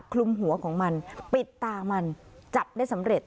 คลุมหัวของมันปิดตามันจับได้สำเร็จ